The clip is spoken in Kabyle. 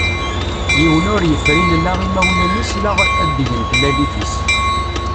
Yiwen ur yefrin la imawlan-is la adeg n tlalit-is.